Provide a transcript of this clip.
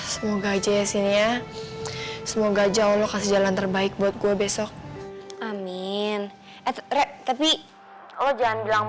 semoga aja ya sini ya semoga jauh lokasi jalan terbaik buat gue besok amin tapi oh jangan bilang